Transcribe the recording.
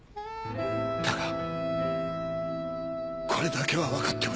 だがこれだけはわかってほしい。